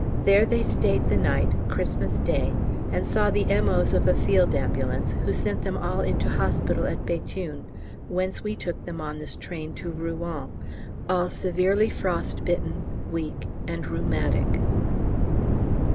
There they stayed the night (Xmas Day) and saw the M.O.'s of a Field Ambulance, who sent them all into hospital at Béthune, whence we took them on this train to Rouen, all severely frost bitten, weak, and rheumatic.